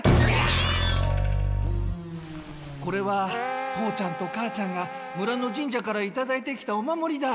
これは父ちゃんと母ちゃんが村の神社からいただいてきたお守りだ。